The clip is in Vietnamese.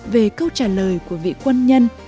về câu trả lời của vị quân nhân